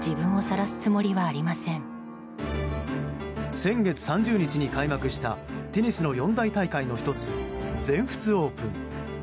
先月３０日に開幕したテニスの四大大会の１つ全仏オープン。